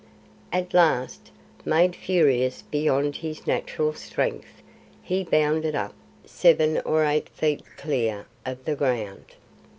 At last, made furious beyond his natural strength, he bounded up seven or eight feet clear of the ground.